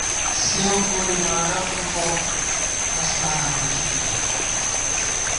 سېوں پوری بالَخ ݫُپَوُم ، اَستارا لوشِکے پت